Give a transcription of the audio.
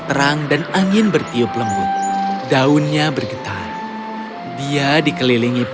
oh selamat pagi kecil lihatlah betapa indah hari ini